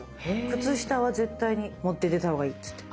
靴下は絶対に持って出た方がいいっつって。